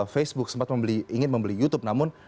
facebook sempat ingin membeli youtube namun